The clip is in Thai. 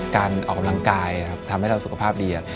การออกกำลังกายทำให้เราสุขภาพดี